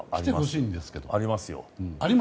ありますよ。